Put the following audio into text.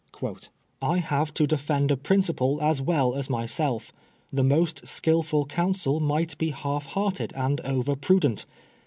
27 I have to defend a principle as well as myself. The most skilful counsel might be naif hearted and over prudent.